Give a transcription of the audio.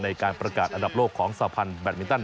ในการประกาศอันดับโลกของสาพันธ์แบตมินตัน